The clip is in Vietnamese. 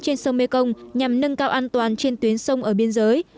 trên sông mê công nhằm nâng cao an toàn trên tuyến sông ở biên giới